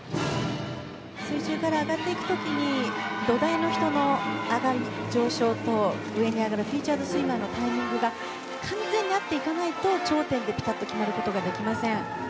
水中から上がっていく時に土台の人の上に上がる上昇と上に上がるフィーチャードスイマーのタイミングが完全に合っていかないと頂点でピタッと決まることができません。